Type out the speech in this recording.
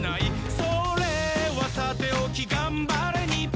「それはさておきがんばれ日本」